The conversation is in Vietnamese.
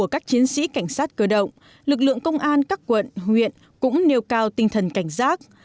cảnh sát cơ động lực lượng công an các quận huyện cũng nêu cao tinh thần cảnh giác